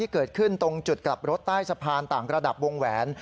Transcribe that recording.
เกิดขึ้นตรงจุดกลับรถใต้สะพานต่างระดับวงแหวน